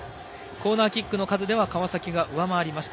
コーナーキックの数では川崎が上回りました。。